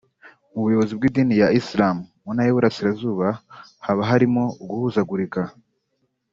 Mu buyobozi bw’idini ya Islam mu ntara y’uburasirazuba haba harimo uguhuzagurika